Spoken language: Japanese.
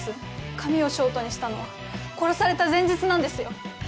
髪をショートにしたのは殺された前日なんですよ。